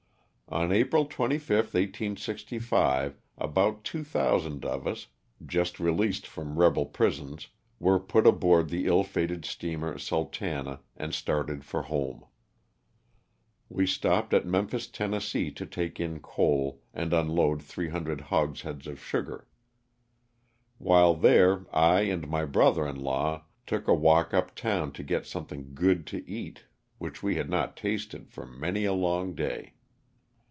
LOSS OF THE STJLTAiq A. 341 On April 25th, 1865, about 2,000 of us, just released from rebel prisons, were put aboard the ill fated steamer "Sultana" and started for home. We stopped at Mem phis, Tenn., to take in coal and unload 300 hogsheads of sugar. While there I and my brother in law took a walk up town to get something good to eat which we had not tasted for many a long day.